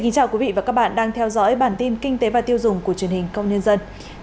chào mừng quý vị đến với bản tin kinh tế và tiêu dùng của truyền hình công nhân